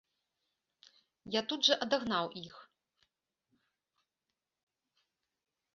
Я тут жа адагнаў іх.